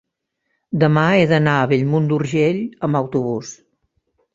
demà he d'anar a Bellmunt d'Urgell amb autobús.